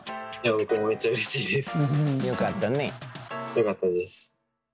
よかったです。